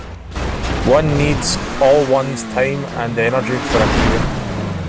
One needs all one's time and energy for a career.